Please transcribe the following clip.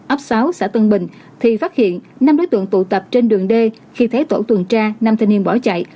ấp sáu xã tân bình thì phát hiện năm đối tượng tụ tập trên đường d khi thấy tổ tuần tra năm thanh niên bỏ chạy